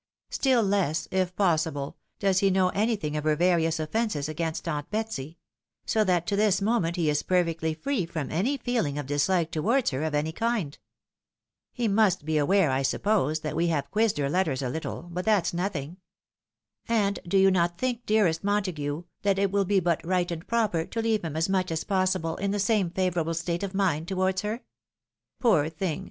Still less, if possible, does he know anytliing of her various offences against aunt Betsy ; so that to this moment he is perfectly free from any feeling of dislike towards her of any kind. He must be aware, I suppose, that we have quizzed her letters a little — ^but that's nothing. And do you not think, dearest Montague, that it will be but right and proper to leave him as much as possible in the same favourable state of mind towards her? Poor thing!